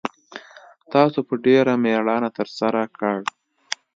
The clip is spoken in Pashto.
تاسو په ډېره میړانه ترسره کړ